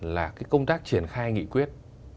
là cái công tác triển khai nghị quyết